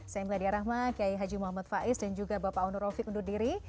saya meladia rahma kiai haji muhammad faiz dan juga bapak anu rofiq undur diri